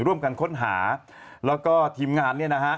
ร่วมกันค้นหาแล้วก็ทีมงานเนี่ยนะฮะ